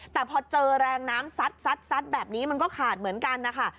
แต่พอเจอแรงน้ำซัดแบบนี้มันก็ขาดเหมือนกันนะคะ